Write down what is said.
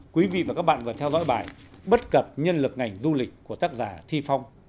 quý vị và các bạn vừa theo dõi bài bất cập nhân lực ngành du lịch của tác giả thi phong